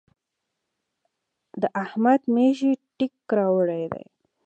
د احمد مېږي تېک راوړی دی.